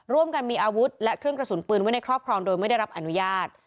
ร่วมกันมีอาวุธและเครื่องกระสุนปืนไว้ในครอบครองโดยไม่ได้รับอนุญาต